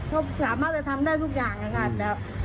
เขาสามารถจะทำได้ทุกอย่างค่ะ